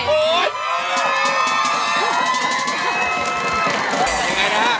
ยังไงนะ